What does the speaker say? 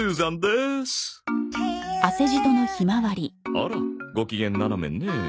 あらご機嫌斜めね。